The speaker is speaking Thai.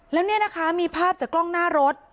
แล้วเนี่ยนะคะมีภาพจากกล้องหน้ารถ